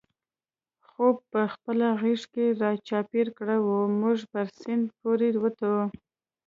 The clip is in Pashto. خوپ په خپله غېږ کې را چاپېر کړی و، موږ پر سیند پورې وتو.